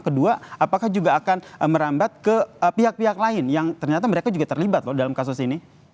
kedua apakah juga akan merambat ke pihak pihak lain yang ternyata mereka juga terlibat loh dalam kasus ini